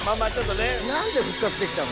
何で復活できたの？